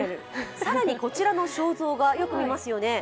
更にこちらの肖像画、よく見ますよね。